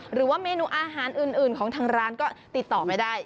หรือว่าเมนูอาหารอื่นของทางร้านก็ติดต่อไม่ได้